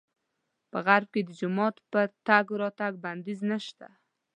په غرب کې د جومات پر تګ راتګ بندیز نه شته.